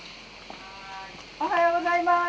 おはようございます。